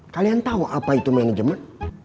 kalian tahu apa itu manajemen